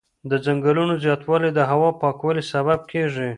د ځنګلونو زیاتوالی د هوا د پاکوالي سبب کېږي.